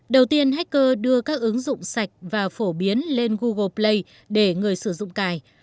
đầu tiên hacker đưa các ứng dụng sạch và phổ biến lên google play để người sử dụng cài